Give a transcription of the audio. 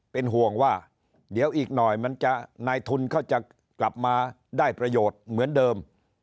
เป็นห่วงว่าเดี๋ยวอีกหน่อยมันจะนายทุนเขาจะกลับมาได้ประโยชน์เหมือนเดิม